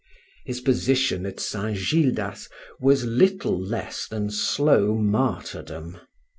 His position at St. Gildas was little less than slow martyrdom.